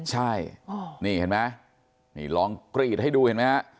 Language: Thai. ใช่นี่เห็นไหมนี่ลองกรีดให้ดูเห็นไหมฮะ